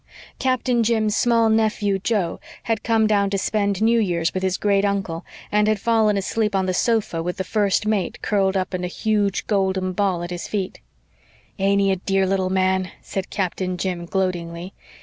Captain Jim's small nephew Joe had come down to spend New Year's with his great uncle, and had fallen asleep on the sofa with the First Mate curled up in a huge golden ball at his feet. "Ain't he a dear little man?" said Captain Jim gloatingly.